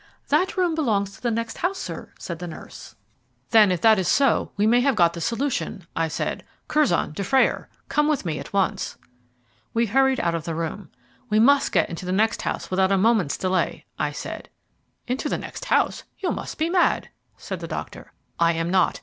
"That room belongs to the next house, sir," said the nurse. "Then, if that is so, we may have got the solution," I said. "Curzon, Dufrayer, come with me at once." We hurried out of the room. "We must get into the next house without a moment's delay," I said. "Into the next house? You must be mad," said the doctor. "I am not.